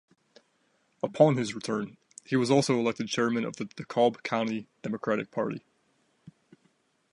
Upon his return, he was also elected chairman of the DeKalb County Democratic Party.